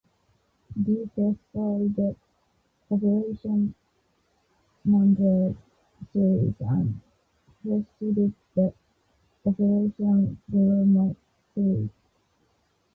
These tests followed the "Operation Mandrel" series and preceded the "Operation Grommet" series.